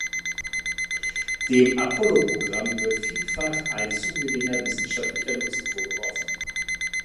Dem Apolloprogramm wird vielfach ein zu geringer wissenschaftlicher Nutzen vorgeworfen.